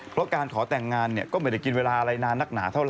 เพราะการขอแต่งงานก็ไม่ได้กินเวลาอะไรนานนักหนาเท่าไ